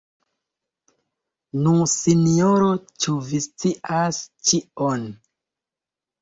Nu, sinjoro, ĉu vi scias ĉion?